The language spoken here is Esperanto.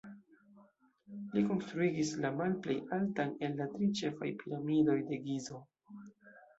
Li konstruigis la malplej altan el la tri ĉefaj Piramidoj de Gizo.